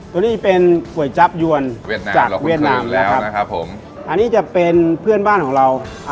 ตัวนี้เป็นก๋วยจับยวนจากเวียดนามแล้วครับอันนี้จะเป็นเพื่อนบ้านของเราอาม็อกปลา